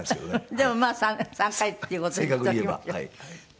でもまあ３回っていう事にしておきましょう。